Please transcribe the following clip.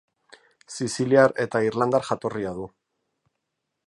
Siziliar eta irlandar jatorria du.